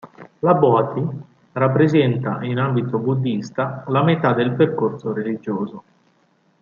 La "bodhi" rappresenta in ambito buddhista la mèta del percorso religioso.